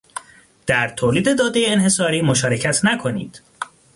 در تولید داده انحصاری مشارکت نکنید